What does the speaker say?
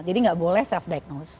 jadi gak boleh self diagnose